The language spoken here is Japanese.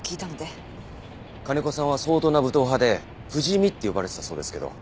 金子さんは相当な武闘派で不死身って呼ばれてたそうですけど。